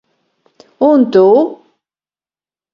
Un tu?